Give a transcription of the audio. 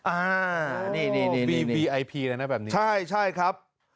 อ่านี่บีไอพีนะนะแบบนี้ใช่ครับ